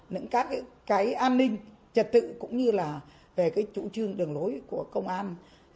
những các cái an ninh trật tự cũng như là về cái chủ trương đường lối của công an